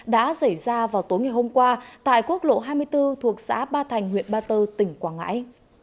đã xảy ra vào tối ngày hôm qua tại quốc lộ hai mươi bốn thuộc xã ba thành huyện ba tơ tỉnh quảng ngãi